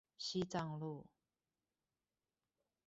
西藏路